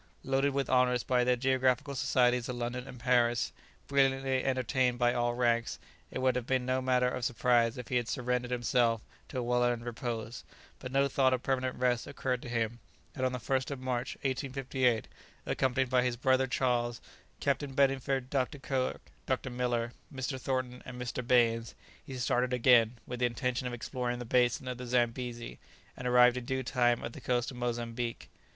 ] Loaded with honours by the Geographical Societies of London and Paris, brilliantly entertained by all ranks, it would have been no matter of surprise if he had surrendered himself to a well earned repose; but no thought of permanent rest occurred to him, and on the 1st of March, 1858, accompanied by his brother Charles, Captain Bedingfield, Dr. Kirk, Dr. Miller, Mr. Thornton, and Mr. Baines, he started again, with the intention of exploring the basin of the Zambesi, and arrived in due time at the coast of Mozambique.